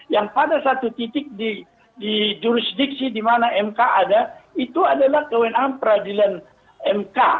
yang pada satu titik di jurus diksi di mana mk ada itu adalah kewenangan peradilan mk